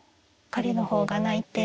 彼の方が泣いて。